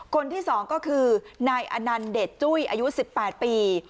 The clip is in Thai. คนที่สองก็คือนายอนันเดชจุ้ยอายุสิบแปดปี